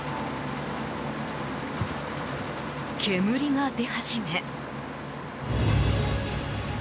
煙が出始め。